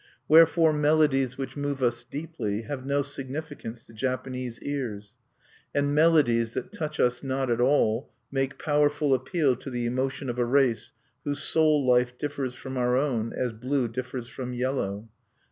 Wherefore melodies which move us deeply have no significance to Japanese ears; and melodies that touch us not at all make powerful appeal to the emotion of a race whose soul life differs from our own as blue differs from yellow....